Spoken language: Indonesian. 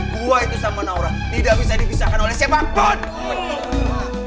gue itu sama nora tidak bisa dipisahkan oleh siapapun